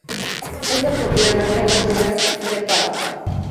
Es la propiedad de la Ciudad de Pau.